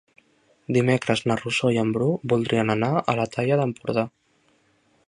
Dimecres na Rosó i en Bru voldrien anar a la Tallada d'Empordà.